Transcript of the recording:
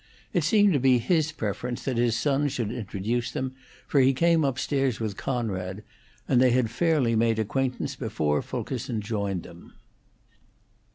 It seemed to be his preference that his son should introduce them, for he came upstairs with Conrad, and they had fairly made acquaintance before Fulkerson joined them.